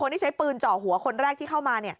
ที่ใช้ปืนเจาะหัวคนแรกที่เข้ามา